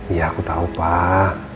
iya aku tau pak